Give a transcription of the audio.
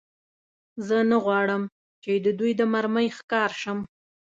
زه نه غواړم، چې د دوی د مرمۍ ښکار شم.